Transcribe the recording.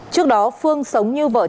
trước đó phương sống như một người đàn ông